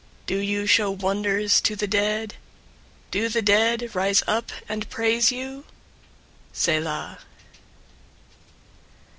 088:010 Do you show wonders to the dead? Do the dead rise up and praise you? Selah.